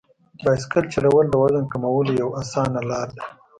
بایسکل چلول د وزن کمولو یوه اسانه لار ده.